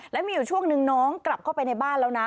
แล้วมีอยู่ช่วงนึงน้องกลับเข้าไปในบ้านแล้วนะ